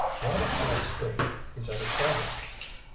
"Right up Salt Creek," he said excitedly.